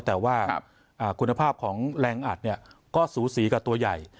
แต่ว่าคุณภาพของแรงอัดก็สูสีกับตัวใหญ่